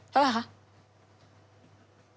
เท่าไหร่คะ